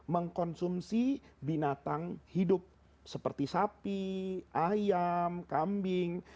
mengkonsumsi binatang hidup seperti sapi ayam kambing